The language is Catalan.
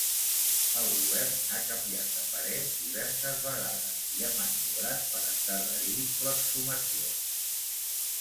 El govern ha canviat de parer diverses vegades i ha maniobrat per endarrerir l'exhumació.